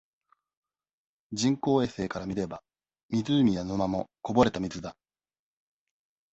人工衛星から見れば、湖や沼も、こぼれた水だ。